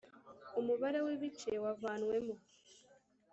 umubare w’ ibice wavanwemo.